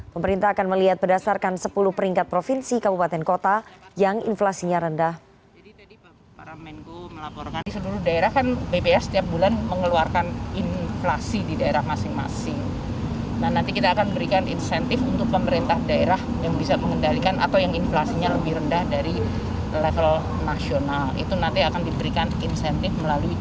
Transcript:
pemerintah akan melihat berdasarkan sepuluh peringkat provinsi kabupaten kota yang inflasinya rendah